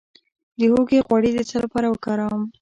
د هوږې غوړي د څه لپاره وکاروم؟